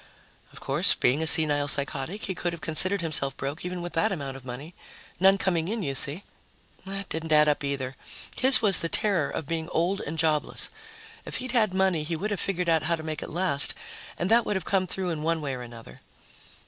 Of course, being a senile psychotic, he could have considered himself broke even with that amount of money. None coming in, you see. That didn't add up, either. His was the terror of being old and jobless. If he'd had money, he would have figured how to make it last, and that would have come through in one way or another.